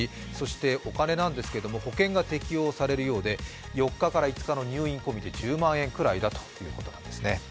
お金なんですけど、保険が適用されるようで、４日から５日の入院込みで１０万円くらいだということなんですね。